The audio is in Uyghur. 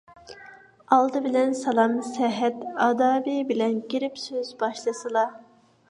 ئالدى بىلەن سالام - سەھەت ئادابى بىلەن كىرىپ سۆز باشلىسىلا.